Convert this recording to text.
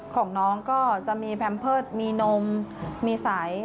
ของน้องก็จะมีแพมเพิร์ตมีนมมีใส